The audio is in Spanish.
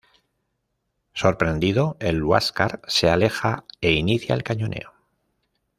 Sorprendido el Huáscar se aleja e inicia el cañoneo.